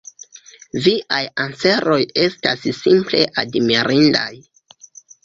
Viaj anseroj estas simple admirindaj.